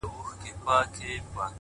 د قاضي په نصیحت کي ثمر نه وو،